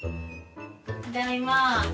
ただいま。